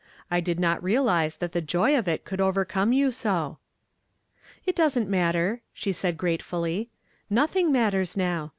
I did not realize that the joy of it could overcome you so." " It doesn't matter," she said gratefully. "Nothing matters now.